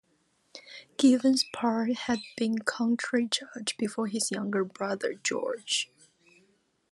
Givens Parr had been county judge before his younger brother George.